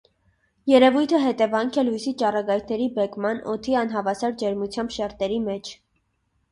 Երևույթը հետևանք է լույսի ճառագայթների բեկման՝ օդի անհավասար ջերմությամբ շերտերի մեջ։